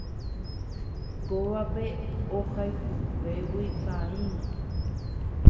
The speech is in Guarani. Kóvape ohayhuvégui paíno.